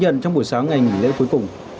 ghi nhận trong buổi sáng ngày nghỉ lễ cuối cùng